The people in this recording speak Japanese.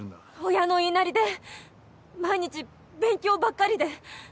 親の言いなりで毎日勉強ばっかりで。